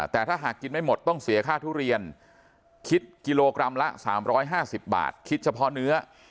แต่ถ้าหากกินไม่หมดต้องเสียค่าทุเรียนคิดกิโลกรัมละ๓๕๐บาทคิดเฉพาะเนื้อ